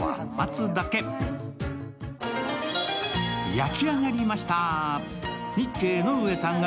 焼き上がりました！